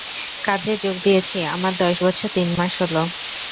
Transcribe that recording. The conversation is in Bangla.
কাজে যোগ দিয়েছি আমার দশ বছর তিন মাস হলো!